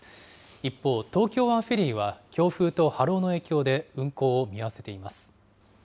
一方、東京湾フェリーは、強風と波浪の影響で運航を見合わせています。